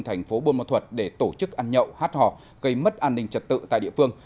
thành phố buôn ma thuật để tổ chức ăn nhậu hát hò gây mất an ninh trật tự tại địa phương